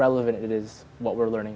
apa yang kita pelajari sekarang